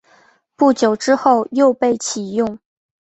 不久之后又被起用。